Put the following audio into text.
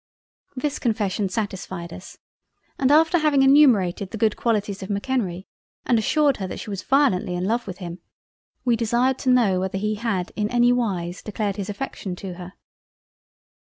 This confession satisfied us and after having enumerated the good Qualities of M'Kenrie and assured her that she was violently in love with him, we desired to know whether he had ever in any wise declared his affection to her.